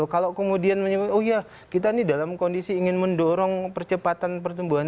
kalau kemudian menyebut oh iya kita ini dalam kondisi ingin mendorong percepatan pertumbuhan